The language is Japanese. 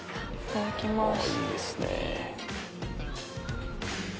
いただきます。